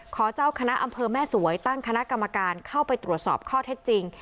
เจ้าคณะอำเภอแม่สวยตั้งคณะกรรมการเข้าไปตรวจสอบข้อเท็จจริง